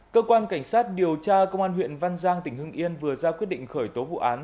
cơ quan cảnh sát điều tra công an huyện văn giang tỉnh hưng yên vừa ra quyết định khởi tố vụ án